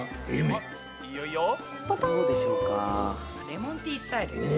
レモンティースタイルね。